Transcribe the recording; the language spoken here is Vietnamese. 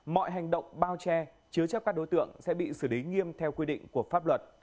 mọi hành động bao che chứa chấp các đối tượng sẽ bị xử lý nghiêm theo quy định của pháp luật